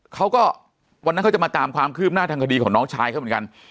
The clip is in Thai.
เขาก็วันนั้นเขาจะมาตามความคืบหน้าทางคดีของน้องชายเขาเหมือนกัน